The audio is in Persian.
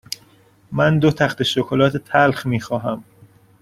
من دو تخته شکلات تلخ می خواهم.